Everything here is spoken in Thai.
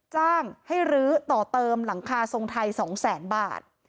จ้างให้รื้อต่อเติมหลังคาทรงไทย๒แสนบาท